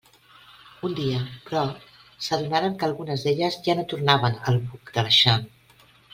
Un dia, però, s'adonaren que algunes d'elles ja no tornaven al buc de l'eixam.